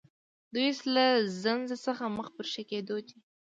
دی اوس له زنځ څخه مخ پر ښه کېدو دی